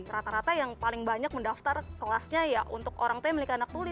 rata rata yang paling banyak mendaftar kelasnya ya untuk orang tua yang memiliki anak tuli